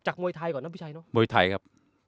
จากมวยไทยก่อนนะพี่ชัยครับ